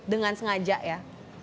dengan sengaja ya